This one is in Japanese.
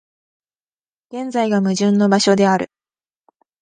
現在が矛盾の場所である。